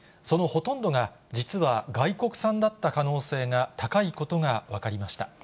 そのほとんどが、実は外国産だった可能性が高いことが分かりました。